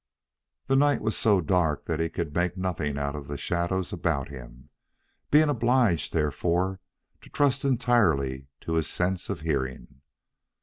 The night was so dark that he could make nothing out of the shadows about him, being obliged therefore to trust entirely to his sense of hearing.